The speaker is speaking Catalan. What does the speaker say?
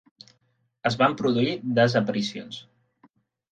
Es van produir desaparicions.